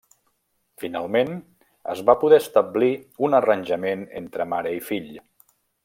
Finalment es va poder establir un arranjament entre mare i fill.